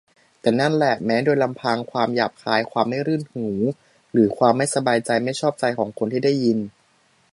แต่นั่นแหละ แม้โดยลำพังความหยาบคาย ความไม่รื่นหู หรือความไม่สบายใจไม่ชอบใจของคนที่ได้ยิน